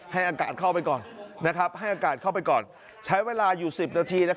ให้อากาศเข้าไปก่อนใช้เวลาอยู่๑๐นาที